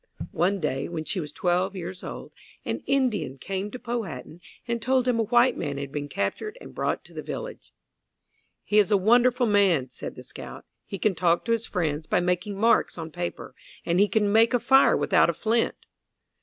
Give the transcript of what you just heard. One day, when she was twelve years old, an Indian came to Powhatan and told him a white man had been captured and brought to the village. "He is a wonderful man," said the scout. "He can talk to his friends by making marks on paper, and he can make a fire without a flint."